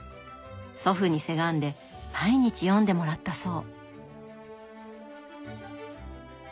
祖父にせがんで毎日読んでもらったそう。